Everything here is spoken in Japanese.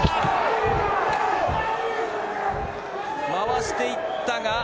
回していったが。